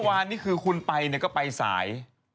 วานนี้คือคุณไปเนี่ยก็ไปสาย